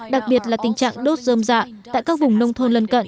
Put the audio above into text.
đặc biệt là tình trạng đốt dơm dạ tại các vùng nông thôn lân cận